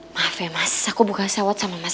maaf ya mas aku bukan sewot sama mas